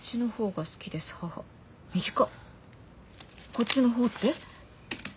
こっちの方って？